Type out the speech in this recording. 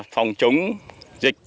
phòng chống dịch